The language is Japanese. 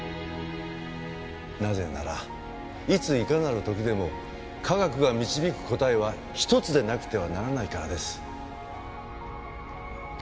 なぜならいついかなる時でも科学が導く答えは一つでなくてはならないからです。